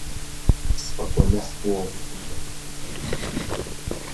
СфӀэгуэныхь уохъу.